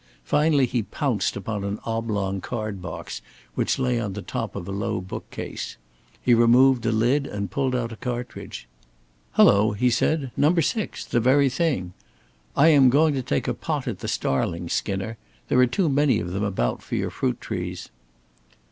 Finally he pounced upon an oblong card box which lay on the top of a low book case. He removed the lid and pulled out a cartridge. "Hullo!" said he. "No. 6. The very thing! I am going to take a pot at the starlings, Skinner. There are too many of them about for your fruit trees."